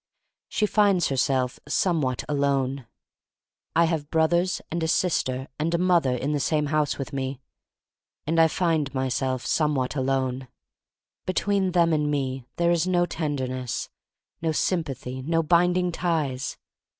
She finds herself somewhat alone. I have brothers and a sister and a mother 36 \ THE STORY OF MARY MAC LANE 37 in the same house with me — and I find myself somewhat alone. Between them and me there is no tenderness, no sympathy, no binding ties.